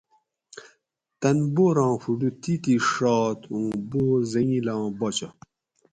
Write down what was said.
تن بوراں فوٹو تیتھی ڛات اوُں بور حٔنگیلاں باچہ